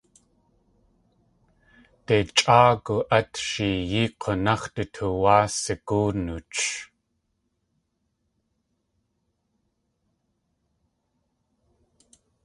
Dei chʼáagu at sheeyí k̲únáx̲ du tuwáa sagóo nuch.